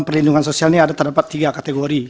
perlindungan sosial ini ada terdapat tiga kategori